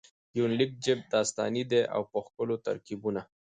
د يونليک ژبه داستاني ده او په ښکلو ترکيبونه.